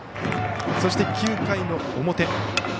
そして９回の表。